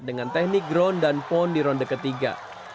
dengan teknik ground and pound di ronde ketiga